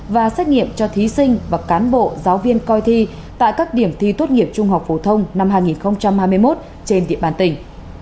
và xét nghiệm cho thí sinh và cán bộ giáo viên coi thi tại các điểm thi tốt nghiệp trung học phổ thông năm hai nghìn hai mươi một trên địa bàn tỉnh